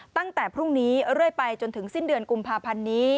ตั้งแต่พรุ่งนี้เรื่อยไปจนถึงสิ้นเดือนกุมภาพันธ์นี้